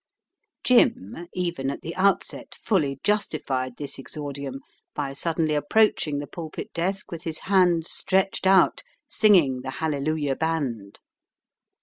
"Jim" even at the outset fully justified this exordium by suddenly approaching the pulpit desk with his hands stretched out, singing the "Hallelujah band."